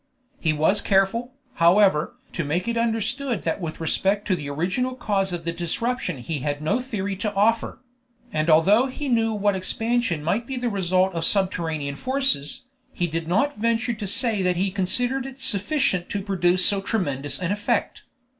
He was careful, however, to make it understood that with respect to the original cause of the disruption he had no theory to offer; and although he knew what expansion might be the result of subterranean forces, he did not venture to say that he considered it sufficient to produce so tremendous an effect.